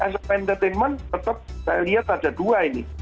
so entertainment tetap saya lihat ada dua ini